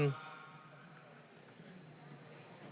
วาย